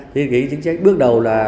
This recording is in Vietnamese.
thì cái chính sách bước đầu là